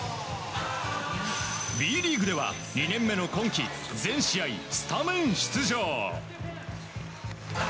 Ｂリーグでは２年目の今季全試合スタメン出場。